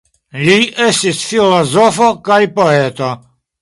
Li estis filozofo kaj poeto.